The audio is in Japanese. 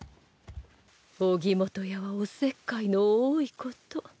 荻本屋はおせっかいの多いこと。